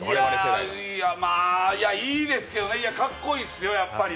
いいですけどね、かっこいいですよ、やっぱりね。